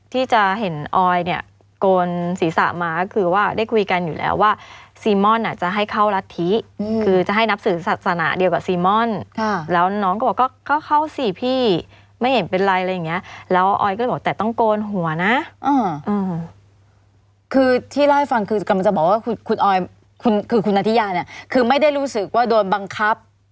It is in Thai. ที่จะเห็นออยเนี่ยโกนศีรษะมาก็คือว่าได้คุยกันอยู่แล้วว่าซีม่อนอ่ะจะให้เข้ารัฐธิคือจะให้นับถือศาสนาเดียวกับซีม่อนแล้วน้องก็บอกก็เข้าสิพี่ไม่เห็นเป็นไรอะไรอย่างเงี้ยแล้วออยก็เลยบอกแต่ต้องโกนหัวนะคือที่เล่าให้ฟังคือกำลังจะบอกว่าคุณออยคุณคือคุณนัทยาเนี่ยคือไม่ได้รู้สึกว่าโดนบังคับ